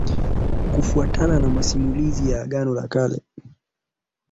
Kufuatana na masimulizi ya Agano la Kale